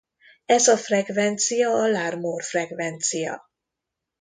Ez a frekvencia a Larmor-frekvencia.